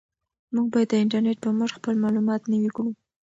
موږ باید د انټرنیټ په مټ خپل معلومات نوي کړو.